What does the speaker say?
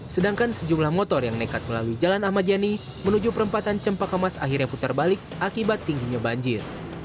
sedangkan sejumlah motor yang nekat melalui jalan ahmad yani menuju perempatan cempakamas akhirnya putar balik akibat tingginya banjir